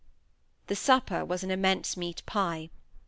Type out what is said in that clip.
The supper was an immense meat pie.